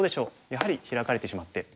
やはりヒラかれてしまって。